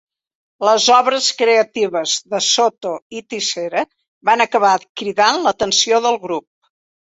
Les obres creatives de Soto i Tissera van acabar cridant l'atenció del grup.